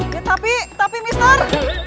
ya tapi tapi mister